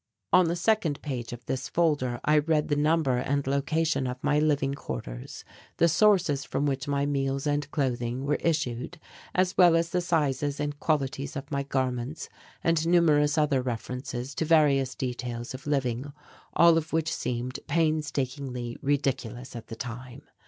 On the second page of this folder I read the number and location of my living quarters, the sources from which my meals and clothing were issued, as well as the sizes and qualities of my garments and numerous other references to various details of living, all of which seemed painstakingly ridiculous at the time.